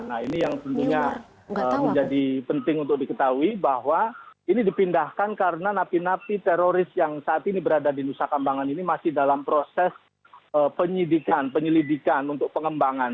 nah ini yang tentunya menjadi penting untuk diketahui bahwa ini dipindahkan karena napi napi teroris yang saat ini berada di nusa kambangan ini masih dalam proses penyelidikan untuk pengembangan